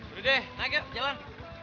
udah deh naik yuk jalan